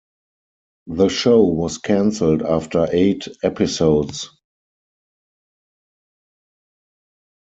The show was canceled after eight episodes.